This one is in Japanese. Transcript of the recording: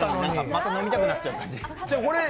また飲みたくなっちゃう感じ。